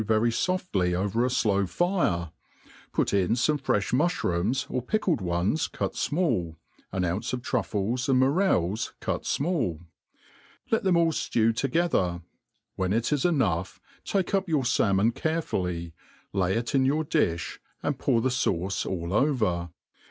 very fofxJy jpver a flow fire, put in fome frefli muflirooms, or pickied ones cut fmall, an ounce of truffles and morels cut fmall; let them all ftew together; when it is enough, take up your falmon carefully, lay it in your difh, and pour the fauce all over.